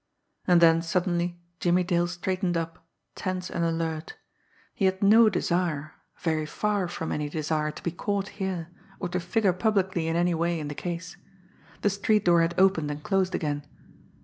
And then suddenly Jimmie Dale straightened up, tense and alert. He had no desire, very far from any desire to be caught here, or to figure publicly in any way in the case. The street door had opened and closed again.